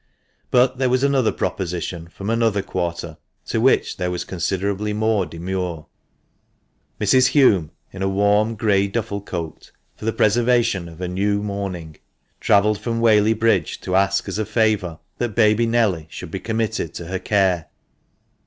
But there was another proposition from another quarter, to which there was considerably more demur. Mrs. Hulme, in a warm, grey duffle cloak, for the preservation of her new mourning, travelled from VVhaley Bridge, to ask as a favour that baby Nelly should be committed to her care.